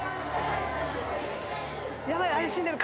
ヤバい怪しんでる。